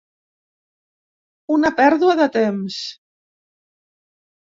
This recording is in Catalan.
Una pèrdua de temps.